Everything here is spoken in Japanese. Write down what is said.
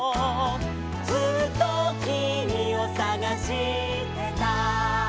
「ずっときみをさがしてた」